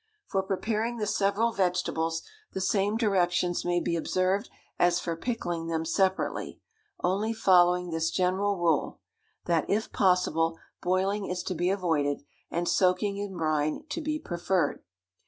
For preparing the several vegetables, the same directions may be observed as for pickling them separately, only following this general rule that, if possible, boiling is to be avoided, and soaking in brine to be preferred.